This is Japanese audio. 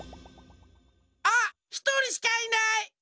あっひとりしかいない！